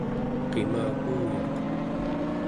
qimaguuyaq